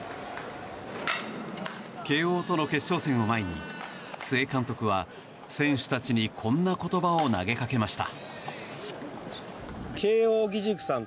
慶應との決勝戦を前に須江監督は、選手たちにこんな言葉を投げかけました。